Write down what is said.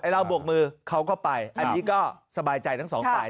เราบวกมือเขาก็ไปอันนี้ก็สบายใจทั้งสองฝ่าย